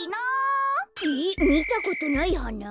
えっみたことないはな？